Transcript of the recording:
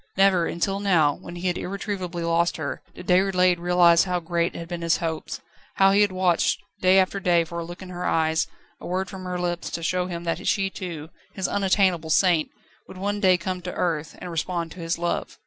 Never until now, when he had irretrievably lost her, did Déroulède realise how great had been his hopes; how he had watched day after day for a look in her eyes, a word from her lips, to show him that she too his unattainable saint would one day come to earth, and respond to his love.